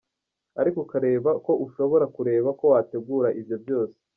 Ariko ukareba ko ushobora kureba ko wategura ibyo byose.